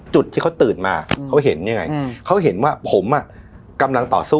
จุดที่เขาตื่นมาเขาเห็นยังไงเขาเห็นว่าผมอ่ะกำลังต่อสู้